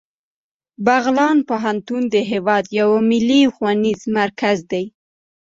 بغلان پوهنتون د هیواد یو ملي ښوونیز مرکز دی